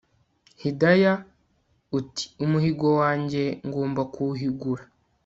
Hidaya utiumuhigo wajye ngomba kuwuhigura